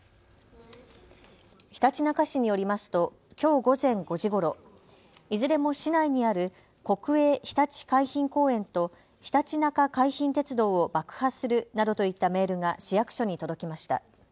ひたちなか市によりますときょう午前５時ごろいずれも市内にある国営ひたち海浜公園とひたちなか海浜鉄道を爆破するなどといったメールが市役所に届きました。